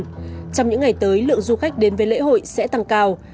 trong những ngày tới lượng du khách đến với lễ hội sẽ tăng cao